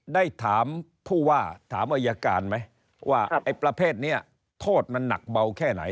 ได้ถามผู้ว่าถามอายการไหมว่าไอ้ประเภทนี้โทษมันหนักเบาแค่ไหน